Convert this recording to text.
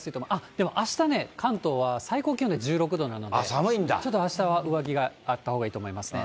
でもあしたね、関東は最高気温で１６度なので、ちょっとあしたは上着があったほうがいいと思いますね。